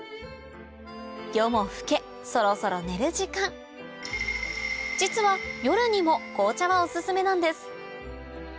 夜も更けそろそろ寝る時間実は夜にも紅茶はお薦めなんです